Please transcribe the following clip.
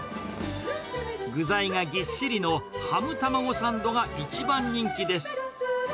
具材がぎっしりのハムたまごサンドが一番人気です。